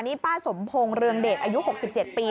นี่ป้าสมพงศ์เรืองเดชอายุ๖๗ปี